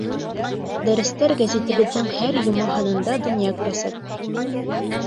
Дәрестәр гәзитебеҙҙең һәр йома һанында донъя күрәсәк.